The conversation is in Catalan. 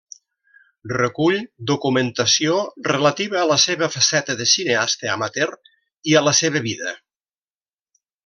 Recull documentació relativa a la seva faceta de cineasta amateur i a la seva vida.